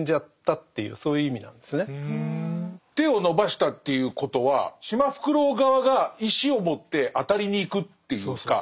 手を伸ばしたっていうことはシマフクロウ側が意思を持って当たりに行くっていうか。